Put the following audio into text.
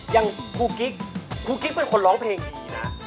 อย่างครูกิ๊กครูกิ๊กเป็นคนร้องเพลงดีนะ